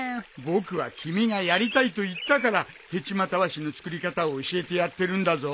僕は君がやりたいと言ったからヘチマたわしの作り方を教えてやってるんだぞ！